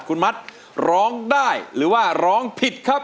คุณมัดร้องได้หรือว่าร้องผิดครับ